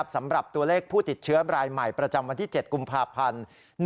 สำหรับตัวเลขผู้ติดเชื้อรายใหม่ประจำวันที่๗กุมภาพันธ์